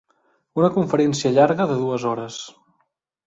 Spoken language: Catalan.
Una conferència llarga de dues hores.